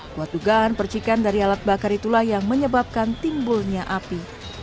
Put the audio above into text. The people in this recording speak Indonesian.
kuat dugaan percikan dari alat bakar itulah yang menyebabkan timbulnya api